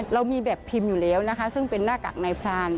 เรามีแบบพิมพ์อยู่แล้วนะคะซึ่งเป็นหน้ากากนายพราน